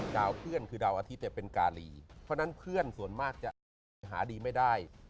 เพื่อนคือดาวอาทิตย์เป็นกาลีเพราะฉะนั้นเพื่อนส่วนมากจะหาดีไม่ได้